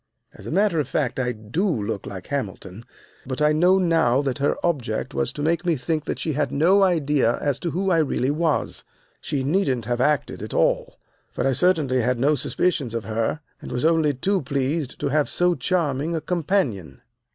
As a matter of fact, I do look like Hamilton, but I know now that her object was to make me think that she had no idea as to who I really was. She needn't have acted at all, for I certainly had no suspicions of her, and was only too pleased to have so charming a companion.